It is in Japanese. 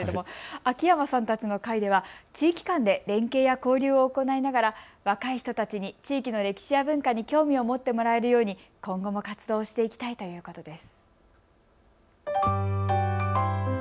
秋山さんたちの会では地域間で連携や交流を行いながら若い人たちに地域の歴史や文化に興味を持ってもらえるように今後も活動していきたいということです。